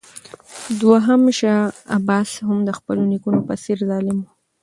دوهم شاه عباس هم د خپلو نیکونو په څېر ظالم و.